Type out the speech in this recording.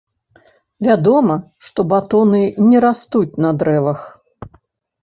Вядома, што батоны не растуць на дрэвах.